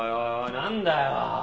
何だよ？